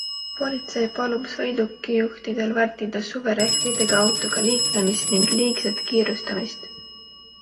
Politsei palub sõidukijuhtidel vältida suverehvidega autoga liiklemist ning liigset kiirustamist.